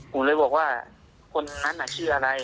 ผมเลยบอกว่าคนนั้นอ่ะชื่ออะไร